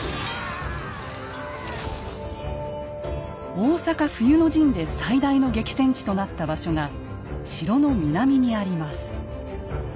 大坂冬の陣で最大の激戦地となった場所が城の南にあります。